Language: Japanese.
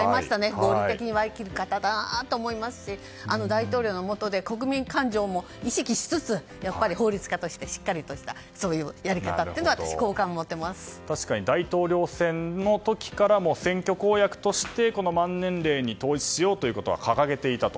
合理的に割り切る方だなと思いますし大統領の下で国民感情も意識しつつ法律家としてしっかりとしたそういうやり方は確かに、大統領選の時から選挙公約としてこの満年齢に統一しようと掲げていたと。